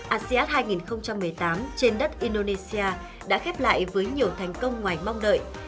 asean hai nghìn một mươi tám trên đất indonesia đã khép lại với nhiều thành công ngoài mong đợi